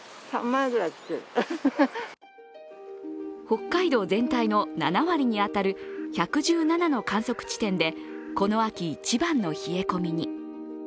北海道全体の７割に当たる１１７の観測地点でこの秋、一番の冷え込みに。